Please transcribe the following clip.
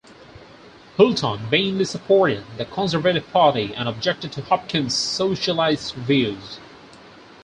Hulton mainly supported the Conservative Party and objected to Hopkinson's socialist views.